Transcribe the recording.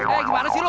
eh gimana sih lu